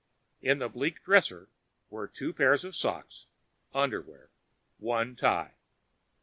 In the bleak dresser were two pair of socks, underwear, one tie.